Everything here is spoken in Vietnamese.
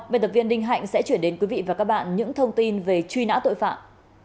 minh hạnh sẽ chuyển đến quý vị và các bạn những thông tin về truy nã tội phạm